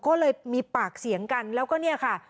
ก็เลยมีปากเสียงกันแล้วก็เนี่ยค่ะ